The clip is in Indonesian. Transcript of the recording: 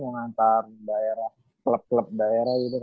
mau ngantar daerah klub klub daerah gitu kan